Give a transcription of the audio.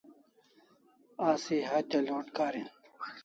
Asi hatya load karin